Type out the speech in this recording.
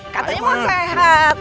katanya mau sehat